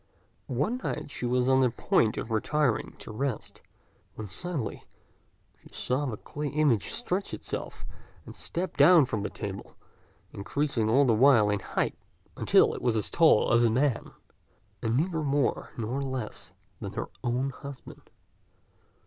One night she was on the point of retiring to rest, when suddenly she saw the clay image stretch itself and step down from the table, increasing all the while in height, until it was as tall as a man, and neither more nor less than her own husband.